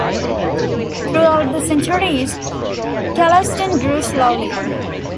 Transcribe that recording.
Throughout the centuries, Chellaston grew slowly.